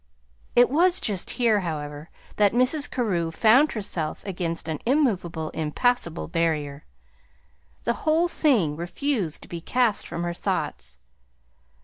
It was just here, however, that Mrs. Carew found herself against an immovable, impassable barrier: the whole thing refused to be cast from her thoughts.